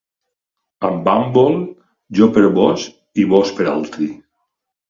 Amb bàmbol, jo per vós i vós per altri.